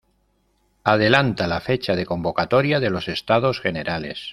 Adelanta la fecha de convocatoria de los Estados Generales.